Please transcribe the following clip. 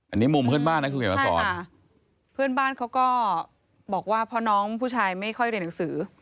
อันนี้มุมเพื่อนบ้านนะคุณเขียนมาสอนเพื่อนบ้านเขาก็บอกว่าเพราะน้องผู้ชายไม่ค่อยเรียนหนังสือ